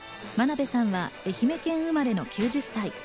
真鍋さんは愛媛県生まれの９０歳。